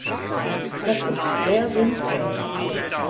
Das ist sehr sinnvoll.